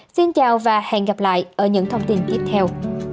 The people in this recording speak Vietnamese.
xin chào và hẹn gặp lại ở những thông tin tiếp theo